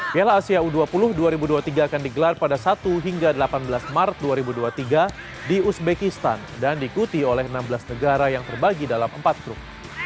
piala asia u dua puluh dua ribu dua puluh tiga akan digelar pada satu hingga delapan belas maret dua ribu dua puluh tiga di uzbekistan dan diikuti oleh enam belas negara yang terbagi dalam empat grup